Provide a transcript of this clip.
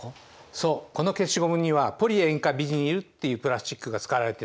そうこの消しゴムにはポリ塩化ビニルっていうプラスチックが使われてるんです。